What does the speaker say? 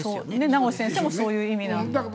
名越先生もそういう意味だと。